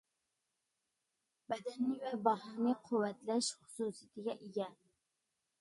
بەدەننى ۋە باھنى قۇۋۋەتلەش خۇسۇسىيىتىگە ئىگە.